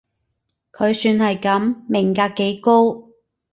佢算係噉，命格幾高